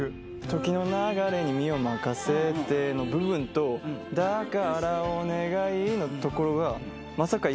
「時の流れに身をまかせ」の部分と「だからお願い」のところがまさか。